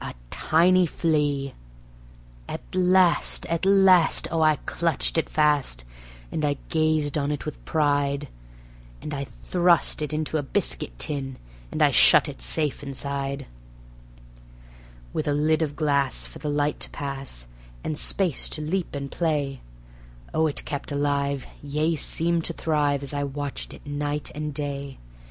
a tiny flea. At last, at last! Oh, I clutched it fast, and I gazed on it with pride; And I thrust it into a biscuit tin, and I shut it safe inside; With a lid of glass for the light to pass, and space to leap and play; Oh, it kept alive; yea, seemed to thrive, as I watched it night and day.